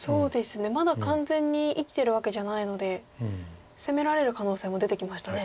まだ完全に生きてるわけじゃないので攻められる可能性も出てきましたね。